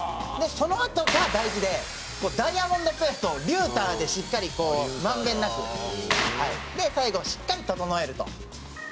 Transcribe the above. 「そのあとが大事でダイヤモンドペーストリューターでしっかり満遍なく」「で最後しっかり整えると」